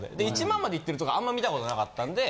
１万までいってるとこあんま見た事なかったんで。